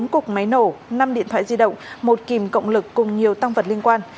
bốn cục máy nổ năm điện thoại di động một kìm cộng lực cùng nhiều tăng vật liên quan